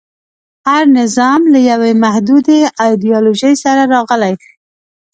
هر نظام له یوې محدودې ایډیالوژۍ سره راغلی.